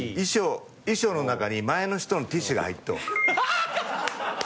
衣装の中に前の人のティッシュが入っとう。